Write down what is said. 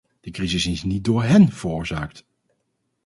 De crisis is niet door hén veroorzaakt.